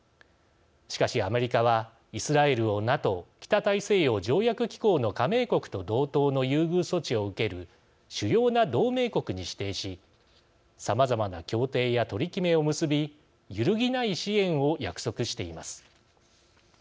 しかし、アメリカはイスラエルをＮＡＴＯ＝北大西洋条約機構の加盟国と同等の優遇措置を受ける主要な同盟国に指定しさまざまな協定や取り決めを結び揺るぎない支援を約束しています。